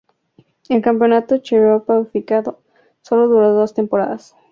El campeonato chipriota unificado, sólo duró dos temporadas.